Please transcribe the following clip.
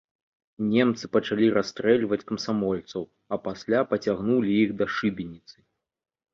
Немцы пачалі расстрэльваць камсамольцаў, а пасля пацягнулі іх да шыбеніцы.